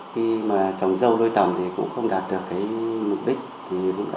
khi mà trồng dâu đôi tầm thì cũng không đạt được mục đích